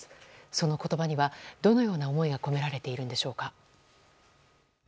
その言葉には、どのような思いが込められているのでしょうか。